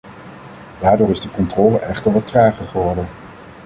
Daardoor is de controle echter wat trager geworden.